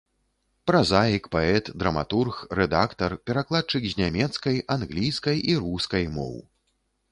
Празаік, паэт, драматург, рэдактар, перакладчык з нямецкай, англійскай і рускай моў.